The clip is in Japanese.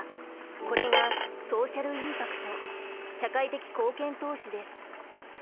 これがソーシャル・インパクト社会的貢献投資です。